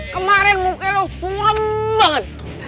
kemarin muka lo suam banget